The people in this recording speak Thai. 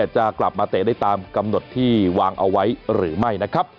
จะกลับมาเตะได้ตามกำหนดที่วางเอาไว้หรือไม่นะครับ